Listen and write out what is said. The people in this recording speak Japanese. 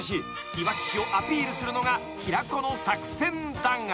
いわき市をアピールするのが平子の作戦だが］